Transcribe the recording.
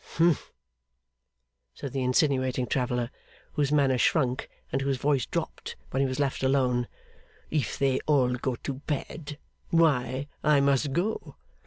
'Humph!' said the insinuating traveller, whose manner shrunk, and whose voice dropped when he was left alone. 'If they all go to bed, why I must go.